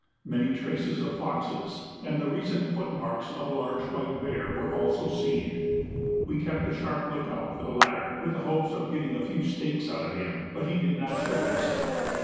Many traces of foxes, and the recent foot marks of a large white bear, were also seen. We kept a sharp out look for the latter, with the hopes of getting a few steaks out of him, but he did not show himself.